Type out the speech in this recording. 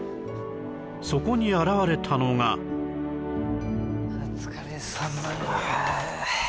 そこに現れたのがお疲れさまです